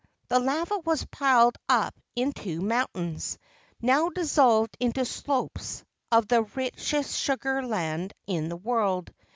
The lava was piled up into mountains, now dissolved into slopes of the rich¬ est sugar land in the world.